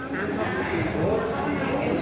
ความสุขภูมิจะพอที